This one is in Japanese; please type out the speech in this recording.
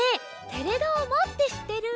「テレどーも！」ってしってる？